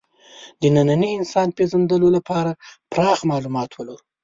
د ننني انسان پېژندلو لپاره پراخ معلومات ولرو.